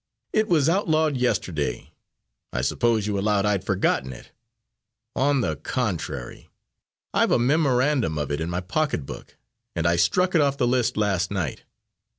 "It was outlawed yesterday. I suppose you allowed I'd forgotten it. On the contrary, I've a memorandum of it in my pocketbook, and I struck it off the list last night.